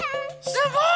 すごい！